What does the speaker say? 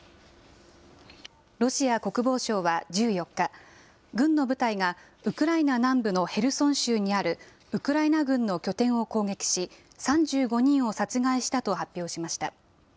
ロシア国防省は１４日、軍の部隊がウクライナ南部のヘルソン州にあるウクライナ軍の拠点を攻撃し、３５人を殺害したと発表しました。